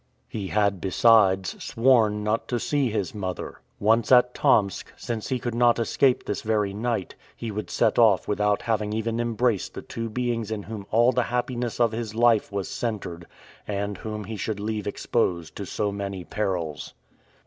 He had besides sworn not to see his mother. Once at Tomsk, since he could not escape this very night, he would set off without having even embraced the two beings in whom all the happiness of his life was centered, and whom he should leave exposed to so many perils.